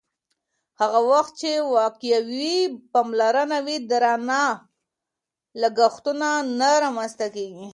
هغه وخت چې وقایوي پاملرنه وي، درانه لګښتونه نه رامنځته کېږي.